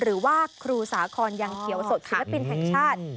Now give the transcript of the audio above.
หรือว่าครูสาคอนยังเขียวสดศิลปินแห่งชาติ